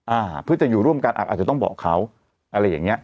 อ่าเพื่อจะอยู่ร่วมกันอ่ะอาจจะต้องบอกเขาอะไรอย่างเงี้